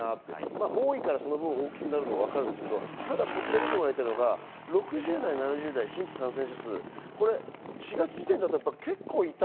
多いからその分大きくなるのはわかるんですけど、見てもらいたいのが６０代・７０代の新規感染者数、４月時点だと結構いた。